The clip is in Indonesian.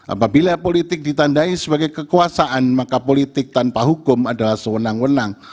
apabila politik ditandai sebagai kekuasaan maka politik tanpa hukum adalah sewenang wenang